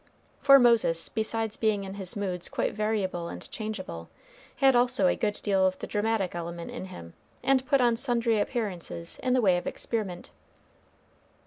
For Moses, besides being in his moods quite variable and changeable, had also a good deal of the dramatic element in him, and put on sundry appearances in the way of experiment.